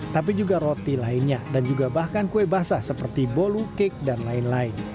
tapi juga roti lainnya dan juga bahkan kue basah seperti bolu kek dan lainnya